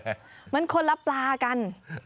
เหมือนคนละปลากัน